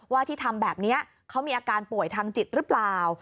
ว่าที่ทำแบบนี้เขามีอาการป่วยทางจิตหรือเปล่า